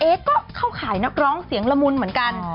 ก็เข้าข่ายนักร้องเสียงละมุนเหมือนกัน